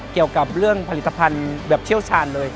เกี่ยวกับเรื่องผลิตภัณฑ์แบบเชี่ยวชาญเลย